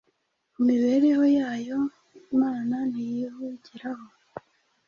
Mu mibereho yayo, Imana ntiyihugiraho.